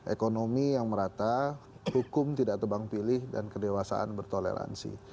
ekonomi yang merata hukum tidak tebang pilih dan kedewasaan bertoleransi